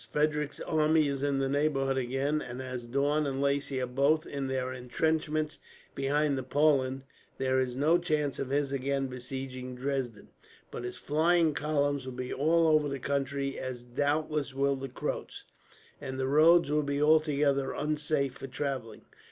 Frederick's army is in the neighbourhood again and, as Daun and Lacy are both in their intrenchments behind the Plauen, there is no chance of his again besieging Dresden; but his flying columns will be all over the country, as doubtless will the Croats, and the roads will be altogether unsafe for travelling.